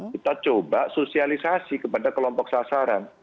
kita coba sosialisasi kepada kelompok sasaran